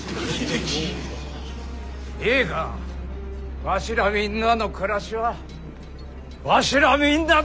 ええかわしらみんなの暮らしはわしらみんなで守るんじゃ！